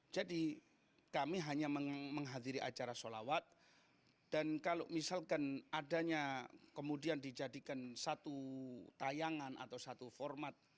jadi kami hanya menghadiri acara solawat dan kalau misalkan adanya kemudian dijadikan satu tayangan atau satu format